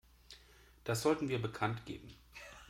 Das sollten wir bekanntgeben.